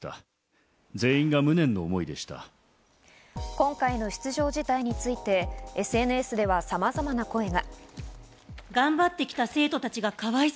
今回の出場辞退について、ＳＮＳではさまざまな声が。